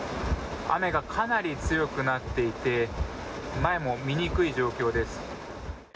雨がかなり強くなっていて前も見にくい状況です。